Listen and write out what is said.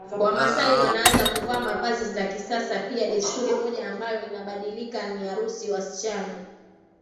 Wamasai wanaanza kuvaa mavazi za kisasa piaDesturi moja ambayo inabadilika ni arusi Wasichana